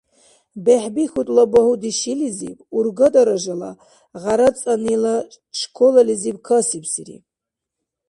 БехӀбихьудла багьуди шилизиб, урга даражала — ГъярацӀанила школализиб касибсири.